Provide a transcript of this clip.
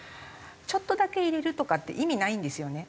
ちょっとだけ入れるとかって意味ないんですよね。